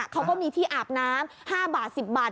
เขาก็มีที่อาบน้ำ๕บาท๑๐บาท